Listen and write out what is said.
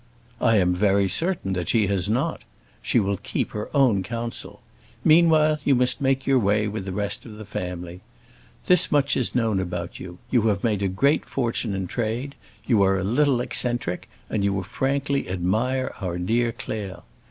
"I am very certain that she has not; she will keep her own counsel. Meanwhile you must make your way with the rest of the family. Thus much is known about you: you have made a great fortune in trade, you are a little eccentric, and you frankly admire our dear Claire.